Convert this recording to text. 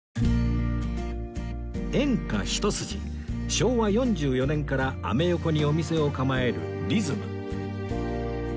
昭和４４年からアメ横にお店を構えるリズム